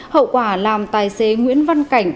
hậu quả làm tài xế nguyễn văn cảnh